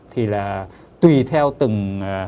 thì là tùy theo từng